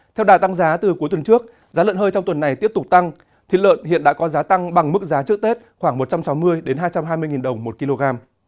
theo đà tăng giá từ cuối tuần trước giá lợn hơi trong tuần này tiếp tục tăng thịt lợn hiện đã có giá tăng bằng mức giá trước tết khoảng một trăm sáu mươi hai trăm hai mươi đồng một kg